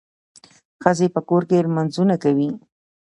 ښځي په کور کي لمونځونه کوي.